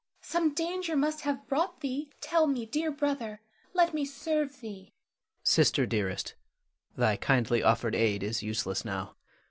Some danger must have brought thee; tell me, dear brother. Let me serve thee. Louis. Sister dearest, thy kindly offered aid is useless now.